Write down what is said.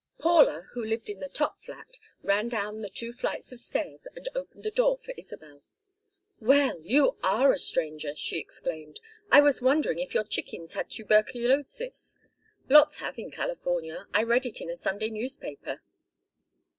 Paula, who lived in the top flat, ran down the two flights of stairs and opened the door for Isabel. "Well! you are a stranger!" she exclaimed. "I was wondering if your chickens had tuberculosis. Lots have in California. I read it in a Sunday newspaper."